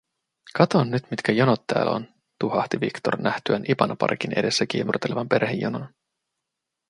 “Kato nyt, mitkä jonot tääl on”, tuhahti Victor nähtyään Ipanaparkin edessä kiemurtelevan perhejonon.